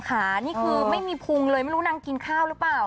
ขานี่คือไม่มีพุงเลยไม่รู้นางกินข้าวหรือเปล่า